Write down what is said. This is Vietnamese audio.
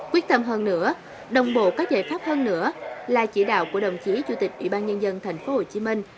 quyết tâm hơn nữa đồng bộ có giải pháp hơn nữa là chỉ đạo của đồng chí chủ tịch ủy ban nhân dân thành phố hồ chí minh